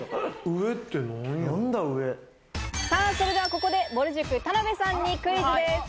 さぁ、それではここでぼる塾・田辺さんにクイズです。